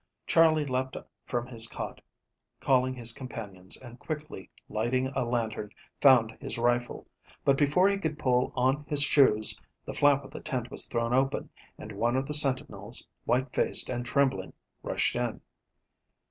Charley leaped from his cot, calling his companions, and, quickly lighting a lantern, found his rifle. But, before he could pull on his shoes, the flap of the tent was thrown open, and one of the sentinels, white faced and trembling, rushed in.